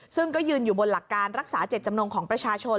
ซึ่งก็ยืนอยู่บนหลักการรักษาเจ็ดจำนงของประชาชน